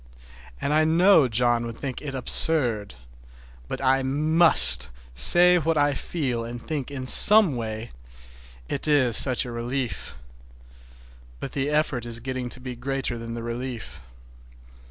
And I know John would think it absurd. But I must say what I feel and think in some way—it is such a relief! But the effort is getting to be greater than the relief.